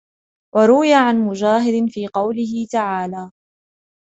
وَرُوِيَ عَنْ مُجَاهِدٍ فِي قَوْله تَعَالَى